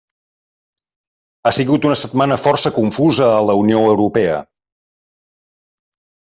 Ha sigut una setmana força confusa a la Unió Europea.